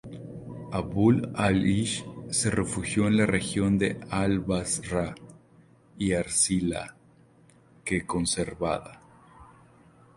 Abu l-Aysh se refugió en la región de al-Basra y Arcila, que conservaba.